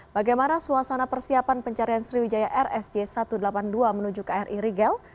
bagaimana suasana persiapan pencarian sriwijaya rsj satu ratus delapan puluh dua menuju kri rigel